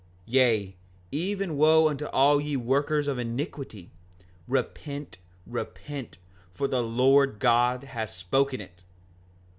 5:32 Yea, even wo unto all ye workers of iniquity; repent, repent, for the Lord God hath spoken it!